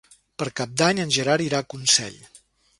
Per Cap d'Any en Gerard irà a Consell.